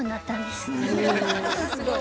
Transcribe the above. すごい。